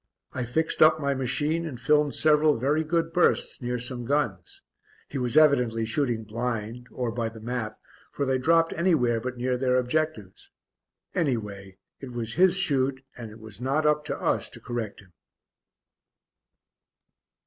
I fixed up my machine and filmed several very good bursts near some guns. He was evidently shooting blind, or by the map, for they dropped anywhere but near their objectives. Anyway it was his shoot and it was not up to us to correct him.